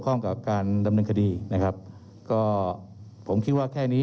เรามีการปิดบันทึกจับกลุ่มเขาหรือหลังเกิดเหตุแล้วเนี่ย